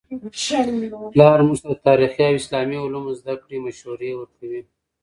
پلار موږ ته د تاریخي او اسلامي علومو د زده کړې مشوره ورکوي.